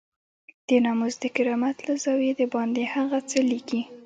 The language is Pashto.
د ناموس د کرامت له زاويې دباندې هغه څه ليکي.